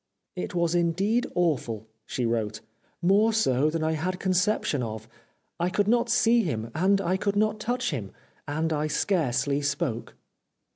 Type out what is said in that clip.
" It was indeed awful," she wrote, " more so than I had conception of. I could not see him, and I could not touch him, and I scarcely spoke."